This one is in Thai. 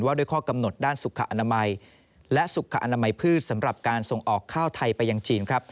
ด้วยข้อกำหนดด้านสุขอนามัยและสุขอนามัยพืชสำหรับการส่งออกข้าวไทยไปยังจีนครับ